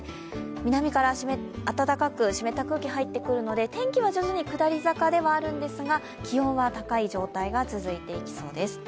南から暖かく湿った空気が入ってきますので天気は徐々に下り坂ではあるんですが、気温は高い状態が続いていきそうです。